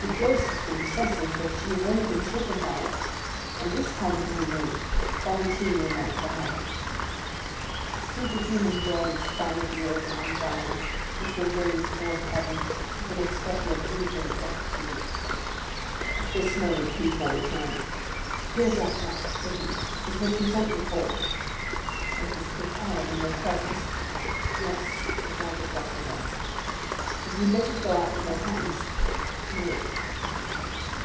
The dose has been excessive, but she has only been shaken by it; and this time, at any rate, Valentine will not die." A superhuman joy expanded the old man's eyes, which were raised towards heaven with an expression of infinite gratitude. At this moment Villefort returned. "Here, doctor," said he, "is what you sent me for." "Was this prepared in your presence?" "Yes," replied the procureur. "Have you not let it go out of your hands?" "No."